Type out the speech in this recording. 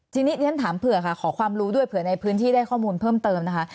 ทีนี้เรียนถามเผื่อค่ะขอความรู้ด้วยเผื่อในพื้นที่ได้ข้อมูลเพิ่มเติมนะคะ